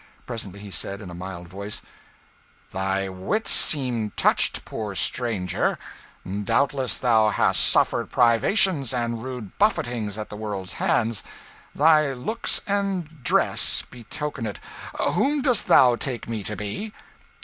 Presently he said, in a mild voice "Thy wits seem touched, poor stranger; doubtless thou hast suffered privations and rude buffetings at the world's hands; thy looks and dress betoken it. Whom dost thou take me to be?"